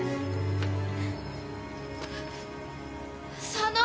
佐野！